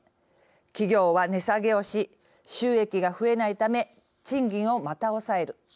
企業は値下げをし収益が増えないため賃金をまた抑える。